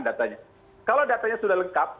datanya kalau datanya sudah lengkap